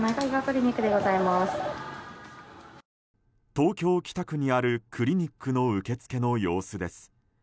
東京・北区にあるクリニックの受付の様子です。